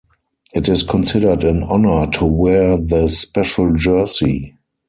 It is considered an honor to wear the special jersey.